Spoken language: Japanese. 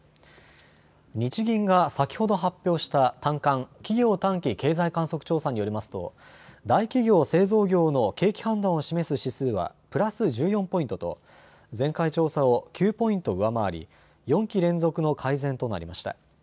日銀が先ほど発表した短観・企業短期経済観測調査によりますと大企業製造業の景気判断を示す指数はプラス１４ポイントと前回調査を９ポイント上回り、４期連続の改善となりました。